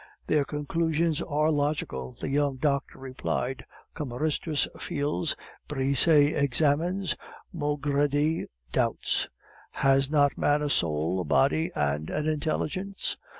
"Their conclusions are logical," the young doctor replied. "Cameristus feels, Brisset examines, Maugredie doubts. Has not man a soul, a body, and an intelligence?